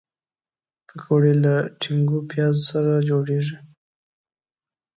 پکورې له ټینګو پیازو سره جوړیږي